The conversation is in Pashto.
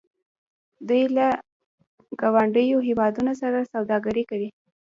دوی له ګاونډیو هیوادونو سره سوداګري کوي.